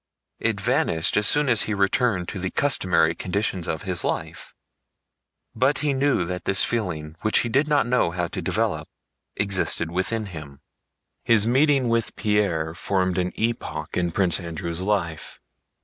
It vanished as soon as he returned to the customary conditions of his life, but he knew that this feeling which he did not know how to develop existed within him. His meeting with Pierre formed an epoch in Prince Andrew's life.